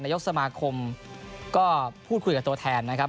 ยกสมาคมก็พูดคุยกับตัวแทนนะครับ